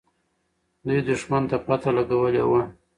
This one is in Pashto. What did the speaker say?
دوی دښمن ته پته لګولې وه.